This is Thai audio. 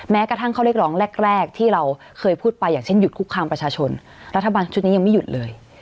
แม้กระทั่งข้อเรียกร้องแรกแรกที่เราเคยพูดไปอย่างเช่นหยุดคุกคามประชาชนรัฐบาลชุดนี้ยังไม่หยุดเลย